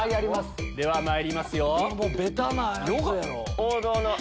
ではまいりますよ。